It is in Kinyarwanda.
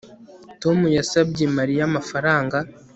tom yasabye mariya amafaranga